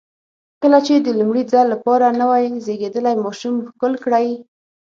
کله چې د لومړي ځل لپاره نوی زېږېدلی ماشوم ښکل کړئ.